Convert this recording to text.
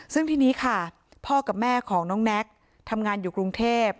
ซึ่งทีนี้ค่ะพ่อกับแม่ของน้องแน็กทำงานอยู่กรุงเทพ